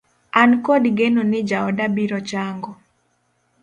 An kod geno ni jaoda biro chango